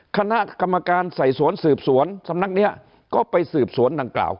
คณะกรรมการไต่สวนสืบสวนสำนักนี้ก็ไปสืบสวนดังกล่าว